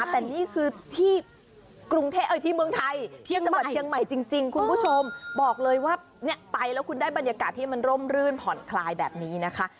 แต่นี่คือที่กรุงเทพที่เมืองไทยที่จังหวัดเชียงใหม่จริงคุณผู้ชมบอกเลยว่าไปแล้วคุณได้บรรยากาศที่มันร่มรื่นผ่อนคลายแบบนี้นะคะ